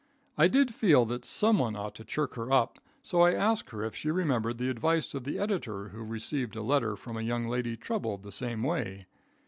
I did feel that someone ought to chirk her up, so I asked her if she remembered the advice of the editor who received a letter from a young lady troubled the same way.